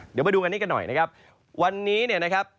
เดี๋ยวไปดูกันนี้กันหน่อยนะครับ